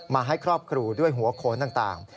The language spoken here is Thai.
มาให้ครอบครูด้วยหัวโขนต่าง